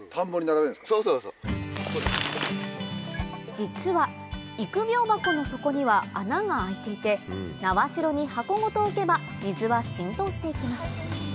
実は育苗箱の底には穴が開いていて苗代に箱ごと置けば水は浸透して行きます